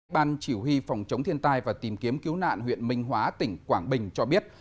ban chỉ huy phòng chống thiên tai và tìm kiếm cứu nạn huyện minh hóa tỉnh quảng bình cho biết